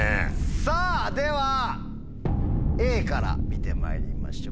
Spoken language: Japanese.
さぁではＡから見てまいりましょう。